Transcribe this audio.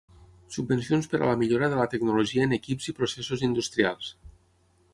Subvencions per a la millora de la tecnologia en equips i processos industrials.